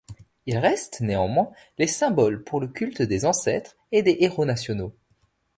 Il reste, néanmoins, les symboles pour le culte des ancêtres et des héros nationaux.